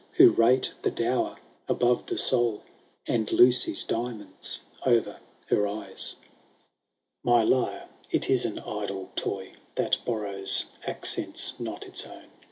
Who rate the dower above the soul. And Lucy's diamonds o'er her eyes.* VII. My lyre — ^it is an idle toy. That borrows accents not its own.